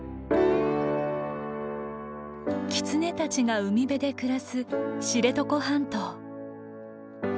キツネたちが海辺で暮らす知床半島。